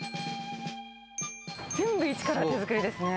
全部一から手作りですね。